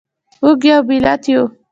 موږ یو ملت یو.